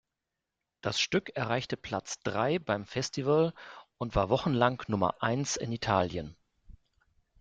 Das Stück erreichte Platz drei beim Festival und war wochenlang Nummer eins in Italien.